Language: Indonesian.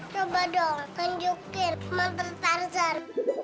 coba dong tunjukin mantel tarzan